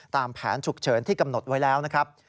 ตามแผนฉุกเฉินที่กำหนดไว้แล้วนะครับ